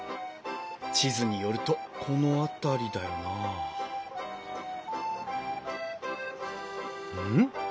地図によるとこの辺りだよなうん？